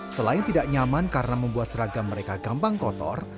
selain tidak nyaman karena membuat seragam mereka gampang kotor